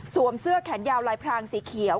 เสื้อแขนยาวลายพรางสีเขียว